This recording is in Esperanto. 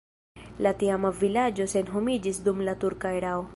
La tiama vilaĝo senhomiĝis dum la turka erao.